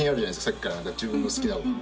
さっきから自分の好きなものに。